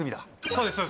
そうです